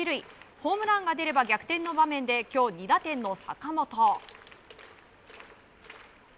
ホームランが出れば逆転の場面で今日２打点の坂本。